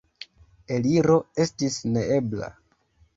Eliro estis neebla.